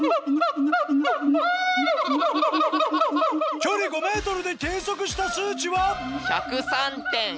距離５ｍで計測した数値は？